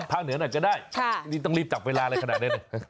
ภ้างเหนือหน่อยก็ได้ต้องรีบจับเวลาอะไรขนาดนี้